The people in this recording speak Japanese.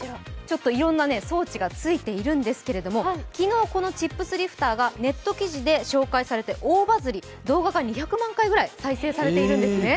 いろんな装置がついているんですけれども、昨日、このチップスリフターがネット記事で紹介されて大バズり、動画が２００万回ぐらい再生されているんですね。